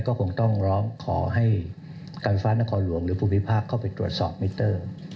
ก็คงต้องร้องขอให้การฟ้านครหลวงหรือภูมิภาคเข้าไปตรวจสอบมิเตอร์